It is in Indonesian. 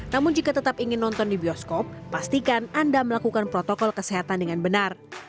namun jika tetap ingin nonton di bioskop pastikan anda melakukan protokol kesehatan dengan benar